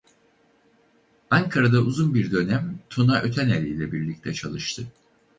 Ankara'da uzun bir dönem Tuna Ötenel ile birlikte çalıştı.